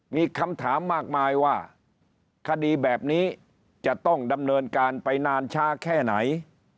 มีคำถามมากมายว่าคดีแบบนี้จะต้องดำเนินการไปนานช้าแค่ไหน